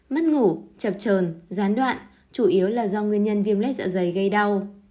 mất ngủ chập trờn gián đoạn chủ yếu là do nguyên nhân viêm lết dạ dày gây đau